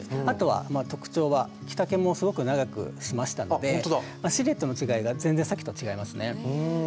あとはまあ特徴は着丈もすごく長くしましたのでシルエットの違いが全然さっきと違いますね。